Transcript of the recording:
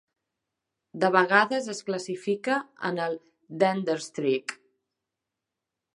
De vegades es classifica en el Denderstreek.